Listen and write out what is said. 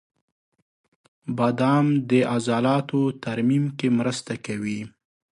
• بادام د عضلاتو ترمیم کې مرسته کوي.